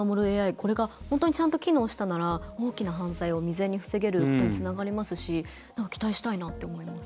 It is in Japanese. これが、本当にちゃんと機能したなら大きな犯罪を未然に防げることにつながりますしなんか期待したいなって思います。